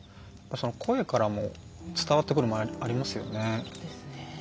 声からも伝わってくるものありますよね。